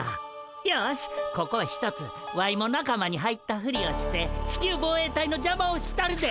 よしここはひとつワイも仲間に入ったふりをして地球防衛隊のじゃまをしたるで。